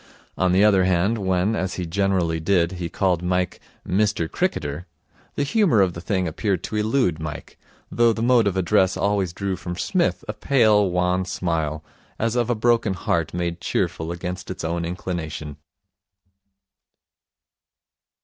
On the other hand, when, as he generally did, he called Mike 'Mister Cricketer', the humour of the thing appeared to elude Mike, though the mode of address always drew from Psmith a pale, wan smile, as of a broken heart made cheerful against its own inclination.